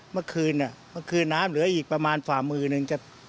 เมื่อคืนเมื่อคืนน้ำเหลืออีกประมาณฝ่ามือหนึ่ง